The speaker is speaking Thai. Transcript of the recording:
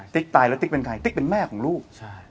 ตายแล้วติ๊กเป็นใครติ๊กเป็นแม่ของลูก